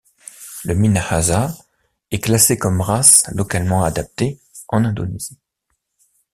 Le Minahasa est classé comme race localement adaptée en Indonésie.